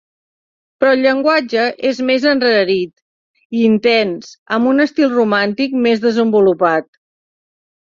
Però el llenguatge és més enrarit i intens amb un estil romàntic més desenvolupat.